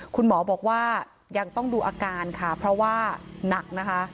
คุณหมอบอกว่ายังต้องดูอาการค่ะเพราะว่าหนักนะคะ